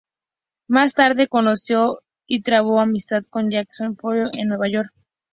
Más tarde, conoció y trabó amistad con Jackson Pollock en Nueva York.